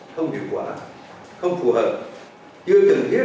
tối đa là khoản chi không thuộc không phù hợp chưa trực tiếp